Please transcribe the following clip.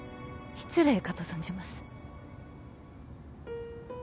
失礼かと存じます